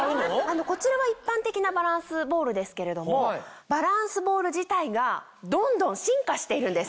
こちらは一般的なバランスボールですけれどもバランスボール自体がどんどん進化しているんです。